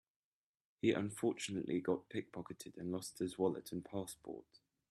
He unfortunately got pick-pocketed and lost his wallet and passport.